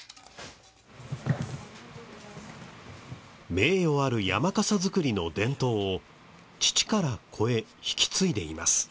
名誉ある山笠作りの伝統を父から子へ引き継いでいます。